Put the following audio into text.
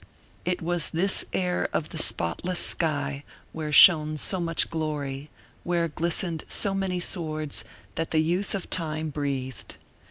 It was this air of the spotless sky, where shone so much glory, where glistened so many swords, that the youth of the time breathed.